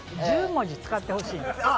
１０文字使ってほしい。